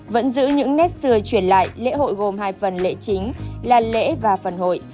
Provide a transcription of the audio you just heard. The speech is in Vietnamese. vẫn giữ những nét xưa truyền lại lễ hội gồm hai phần lễ chính là lễ và phần hội